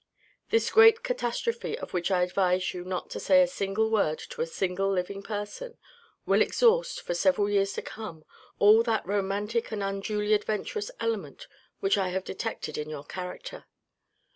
This great catastrophe of which I advise you not to say a single word to a single living person, will exhaust, for several years to come, all that romantic and unduly adventurous element which I have detected in your character.